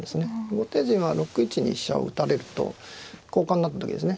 後手陣は６一に飛車を打たれると交換になった時ですね